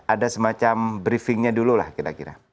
ada semacam briefingnya dulu lah kira kira